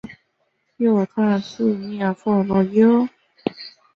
她长年来都保持她的感情世界不在镁光灯下曝光。